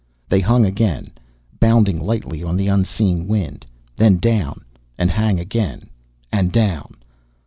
They hung again, bounding lightly on the unseen wind. Then down. And hang again. And down.